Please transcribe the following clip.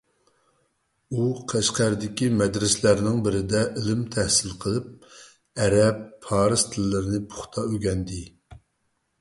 ئۇ قەشقەردىكى مەدرىسەلەرنىڭ بىرىدە ئىلىم تەھسىل قىلىپ، ئەرەب، پارس تىللىرىنى پۇختا ئۆگەندى.